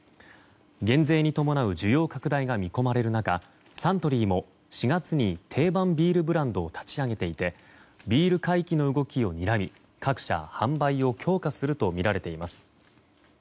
減税に伴う需要拡大が見込まれる中サントリーも４月に定番ビールブランドを立ち上げていてビール回帰の動きをにらみ各社、販売を強化するとみられています。